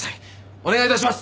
お願いいたします！